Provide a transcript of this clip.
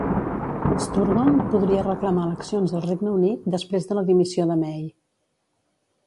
Sturgeon podria reclamar eleccions al Regne Unit després de la dimissió de May.